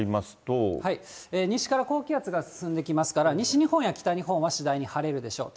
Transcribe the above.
西から高気圧が進んできますから、西日本や北日本は次第に晴れるでしょう。